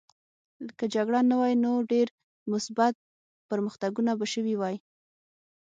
که جګړه نه وای نو ډېر مثبت پرمختګونه به شوي وای